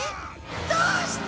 どうして！？